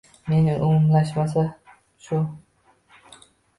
Mening umumlashmamshu